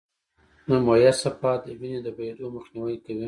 دمویه صفحات د وینې د بهېدو مخنیوی کوي.